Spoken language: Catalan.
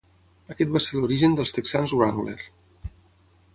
Aquest va ser l'origen dels texans Wrangler.